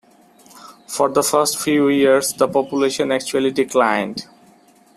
For the first few years the population actually declined.